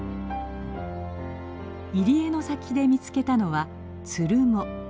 入り江の先で見つけたのはツルモ。